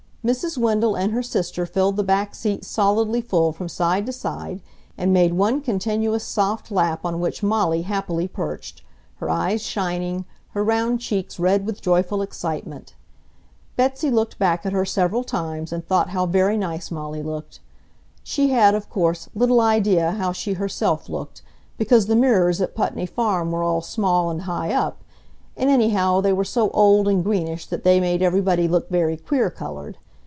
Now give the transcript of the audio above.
Mrs. Wendell and her sister filled the back seat solidly full from side to side and made one continuous soft lap on which Molly happily perched, her eyes shining, her round cheeks red with joyful excitement. Betsy looked back at her several times and thought how very nice Molly looked. She had, of course, little idea how she herself looked, because the mirrors at Putney Farm were all small and high up, and anyhow they were so old and greenish that they made everybody look very queer colored.